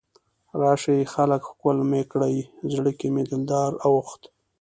راشئ خلکه ښکل مې کړئ، زړه کې مې دلدار اوخوت